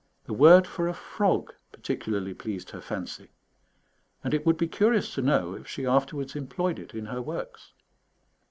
The word for a frog particularly pleased her fancy; and it would be curious to know if she afterwards employed it in her works.